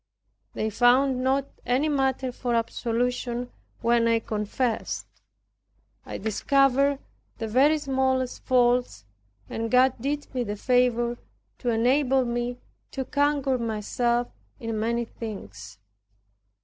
They found not any matter for absolution when I confessed. I discovered the very smallest faults and God did me the favor to enable me to conquer myself in many things.